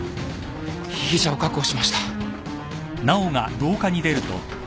被疑者を確保しました。